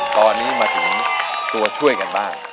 ตอนนี้มาถึงตัวช่วยกันบ้าง